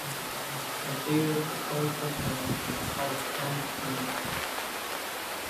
A theater for "colored personnel" became part of Kearns Junior High School.